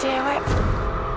tidak ada yang lari